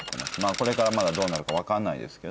これからまだどうなるか分かんないですけど。